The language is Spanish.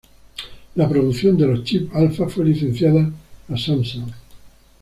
La producción de los chips Alpha fue licenciada a Samsung.